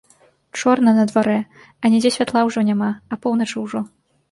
Чорна на дварэ, анідзе святла ўжо няма, апоўначы ўжо.